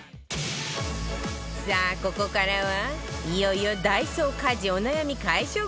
さあここからはいよいよダイソー家事お悩み解消グッズ